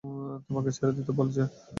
তোমাকে ছেড়ে দিতে বলেছে।